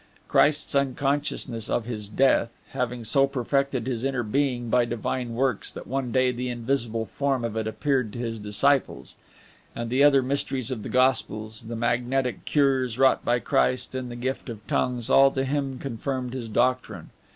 Christ's unconsciousness of His Death having so perfected His inner Being by divine works, that one day the invisible form of it appeared to His disciples and the other Mysteries of the Gospels, the magnetic cures wrought by Christ, and the gift of tongues, all to him confirmed his doctrine.